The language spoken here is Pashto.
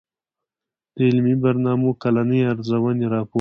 د علمي برنامو کلنۍ ارزوني راپور